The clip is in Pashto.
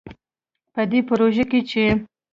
په دې پروژه کې چې